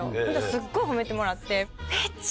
すっごい褒めてもらって。